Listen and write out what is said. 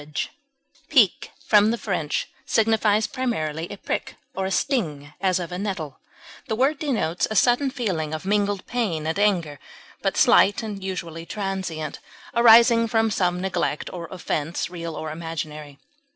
grudge, Pique, from the French, signifies primarily a prick or a sting, as of a nettle; the word denotes a sudden feeling of mingled pain and anger, but slight and usually transient, arising from some neglect or offense, real or imaginary.